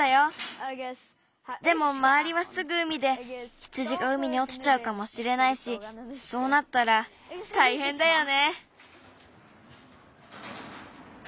でもまわりはすぐうみで羊がうみにおちちゃうかもしれないしそうなったらたいへんだよね！